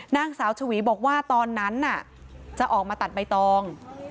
นางสาวชวีบอกว่าตอนนั้นจะออกมาตัดใบตอง